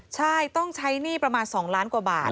ใช่ต้องใช้หนี้ประมาณ๒ล้านกว่าบาท